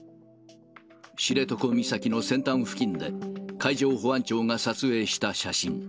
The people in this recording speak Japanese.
知床岬の先端付近で、海上保安庁が撮影した写真。